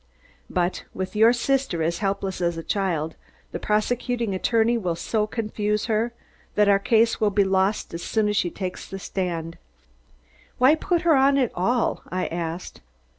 But with your sister as helpless as a child, the prosecuting attorney will so confuse her, that our case will be lost as soon as she takes the stand." "Why put her on at all?" I asked.